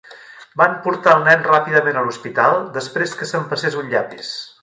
Van portar el nen ràpidament a l'hospital després que s'empassés un llapis.